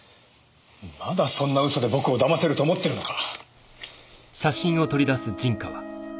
まだそんな嘘で僕をだませると思ってるのか？